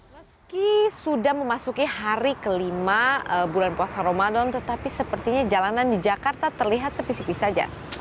meski sudah memasuki hari kelima bulan puasa ramadan tetapi sepertinya jalanan di jakarta terlihat spesifis saja